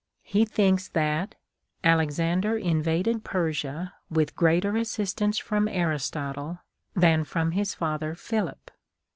He thinks that " Alexander invaded Persia with greater assistance from Aristotle than from his father Philip."